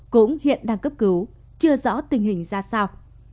cũng hiện đang cấp cứu chưa rõ tình hình ra sao